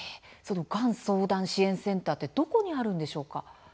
がん相談支援センターはどこにあるんでしょうか。